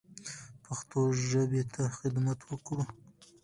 پښتو ژبې ته خدمت وکړو.